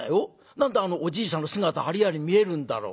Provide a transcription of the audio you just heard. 何であのおじいさんの姿ありあり見えるんだろう？